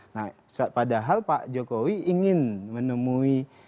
nah padahal pak jokowi ingin menemui